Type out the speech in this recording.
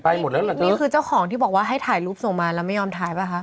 หมดแล้วเหรอนี่นี่คือเจ้าของที่บอกว่าให้ถ่ายรูปส่งมาแล้วไม่ยอมถ่ายป่ะคะ